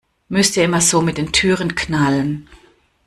Müsst ihr immer so mit den Türen knallen?